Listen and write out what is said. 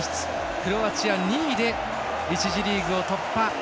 クロアチア２位で１次リーグを突破。